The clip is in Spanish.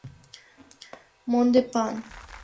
Monde, Phan.